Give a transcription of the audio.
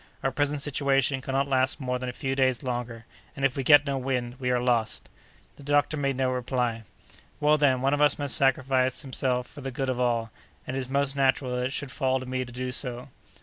Our present situation cannot last more than a few days longer, and if we get no wind, we are lost." The doctor made no reply. "Well, then, one of us must sacrifice himself for the good of all, and it is most natural that it should fall to me to do so."